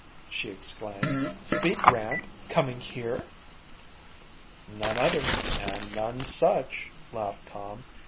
she exclaimed, "'Speed' Rand coming here?" "None other and none such," laughed Tom.